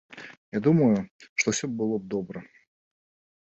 Я думаю, што ўсё было б добра.